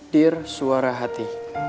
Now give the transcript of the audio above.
dear suara hati